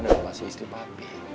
adalah masih istri papi